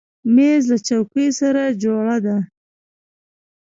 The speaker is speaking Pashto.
مېز له چوکۍ سره جوړه ده.